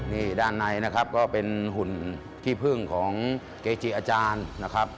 นี่ด้านในนะครับก็เป็นหุ่นขี้พึ่งของเกจิอาจารย์นะครับ